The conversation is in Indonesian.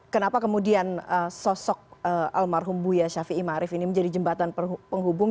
kenapa kemudian sosok almarhum buya syafiq ima arief ini menjadi jembatan penghubung